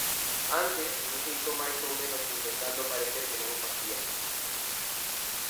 Antes, dun xeito máis ou menos intentando parecer que non o facían.